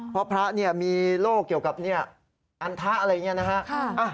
เพราะพระมีโลกเกี่ยวกับอันทะ